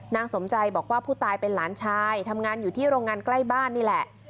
สมใจบอกว่าผู้ตายเป็นหลานชายทำงานอยู่ที่โรงงานใกล้บ้านนี่แหละ